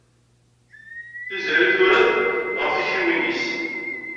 Tiziri tura-d ɣef tektiwin-is.